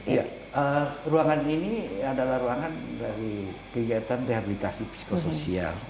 iya ruangan ini adalah ruangan dari kegiatan rehabilitasi psikosoial